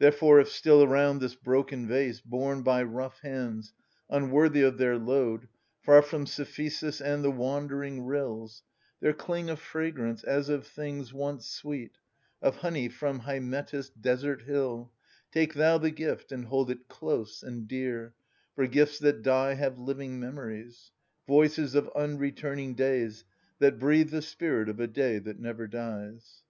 Therefore if still around this broken vase, Borne by rough hands, unworthy of their load, Far from Cephisus and the wandering rills, There cling a fragrance as of things once sweet, Of honey from Hymettus' desert hill, Take thou the gift and hold it close and dear ; For gifts that die have living memories — Voices of unreturning days, that breathe The spirit of a day that never dies.